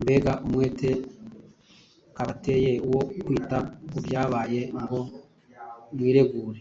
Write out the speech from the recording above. Mbega umwete kabateye wo kwita ku byabaye ngo mwiregure!